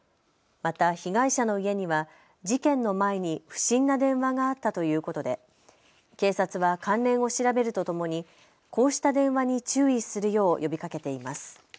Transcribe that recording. また被害者の家には事件の前に不審な電話があったということで警察は関連を調べるとともにこうした電話に注意するよう呼びかけています。